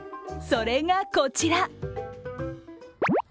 それがこちら。